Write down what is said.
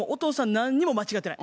何にも間違ってない。